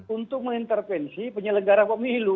untuk mengintervensi penyelenggara pemilu